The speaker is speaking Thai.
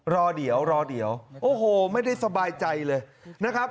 รอเดี๋ยวรอเดี๋ยวโอ้โหไม่ได้สบายใจเลยนะครับ